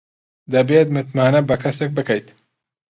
دەبێت متمانە بە کەسێک بکەیت.